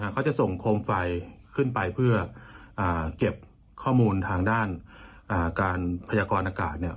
เขาจะส่งโคมไฟขึ้นไปเพื่อเก็บข้อมูลทางด้านการพยากรอากาศเนี่ย